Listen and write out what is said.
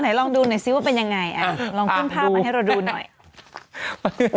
ไหนลองดูหน่อยลองดูหน่อย